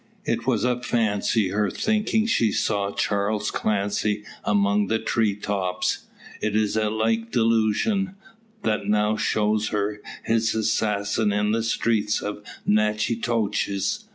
It was a fancy her thinking she saw Charles Clancy among the tree tops. Is it a like delusion, that now shows her his assassin in the streets of Natchitoches?